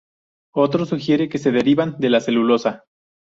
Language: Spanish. Otro sugiere que se derivan de la celulosa.